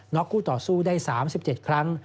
็อกคู่ต่อสู้ได้๓๗ครั้ง